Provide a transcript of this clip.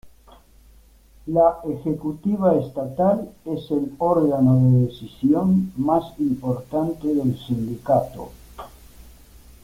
La Ejecutiva estatal es el órgano de decisión más importante del Sindicato.